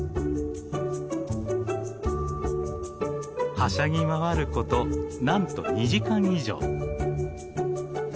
はしゃぎ回ることなんと２時間以上。